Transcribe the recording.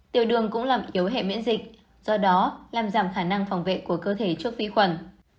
tiểu đường cũng làm yếu hệ miễn dịch do đó làm giảm khả năng phòng vệ của cơ thể trước vi khuẩn